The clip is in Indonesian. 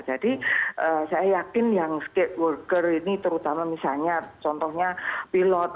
jadi saya yakin yang skilled worker ini terutama misalnya contohnya pilot